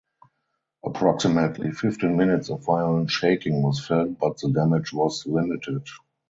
Approximately fifteen minutes of violent shaking was felt but the damage was limited.